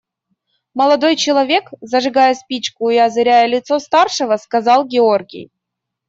Молодой человек, – зажигая спичку и озаряя лицо старшего, сказал Георгий.